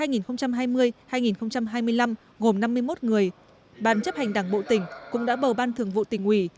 nhiệm kỳ hai nghìn hai mươi hai nghìn hai mươi năm gồm năm mươi một người ban chấp hành đảng bộ tỉnh cũng đã bầu ban thường vụ tỉnh ủy